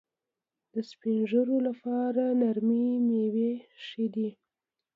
د سپین ږیرو لپاره نرمې میوې ښې دي.